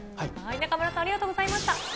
中丸さん、ありがとうございました。